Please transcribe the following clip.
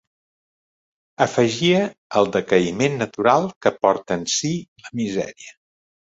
Afegia el decaïment natural que porta en si la misèria